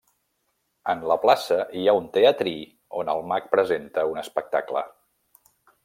En la plaça hi ha un teatrí on el Mag presenta un espectacle.